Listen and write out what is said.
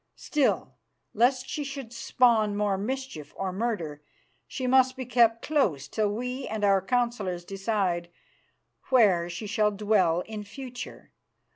Still, lest she should spawn more mischief or murder, she must be kept close till we and our councillors decide where she shall dwell in future.